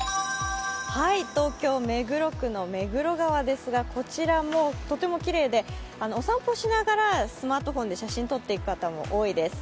東京・目黒区の目黒川ですがこちらもとてもきれいでお散歩しながらスマートフォンで写真を撮っていく方も多いです。